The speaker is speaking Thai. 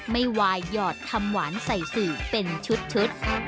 วายหยอดคำหวานใส่สื่อเป็นชุด